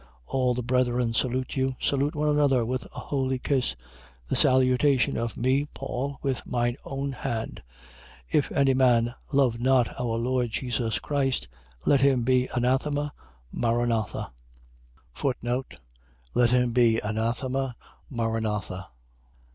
16:20. All the brethren salute you. Salute one another with a holy kiss. 16:21. The salutation of me Paul, with my own hand. 16:22. If any man love not our Lord Jesus Christ, let him be anathema, maranatha. Let him be anathema, maranatha. ..